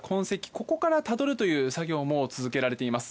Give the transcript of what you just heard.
ここからたどるという作業も作業も続けられています。